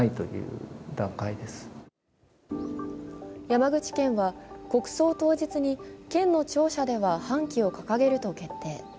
山口県は、国葬当日に県の庁舎では半旗を掲げると決定。